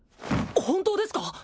本当ですか！？